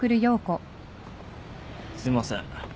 すいません。